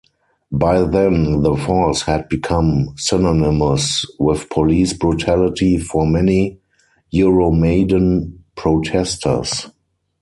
By then the force had become synonymous with police brutality for many Euromaidan protesters.